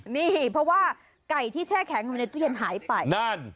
นี่เพราะว่าไก่ที่แช่แข็งอยู่ในตู้เย็นหายไปนั่น